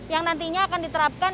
yang nantinya akan diterapkan